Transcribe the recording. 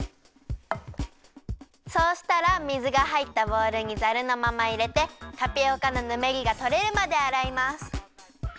そうしたら水がはいったボウルにザルのままいれてタピオカのぬめりがとれるまであらいます。